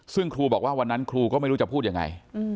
ซึ่งครูบอกว่าวันนั้นครูก็ไม่รู้จะพูดยังไง